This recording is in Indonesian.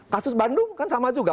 kasus bandung kan sama juga